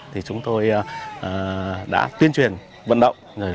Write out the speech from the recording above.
thì chúng tôi đã tuyên truyền vận động